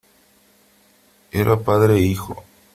eran padre e hijo .